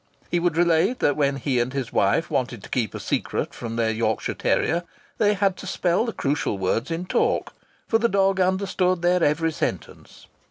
He would relate that when he and his wife wanted to keep a secret from their Yorkshire terrier they had to spell the crucial words in talk, for the dog understood their every sentence.